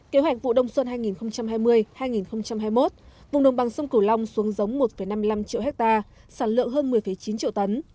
kế hoạch vụ đông xuân hai nghìn hai mươi hai nghìn hai mươi một vùng đồng bằng sông cửu long xuống giống một năm mươi năm triệu hectare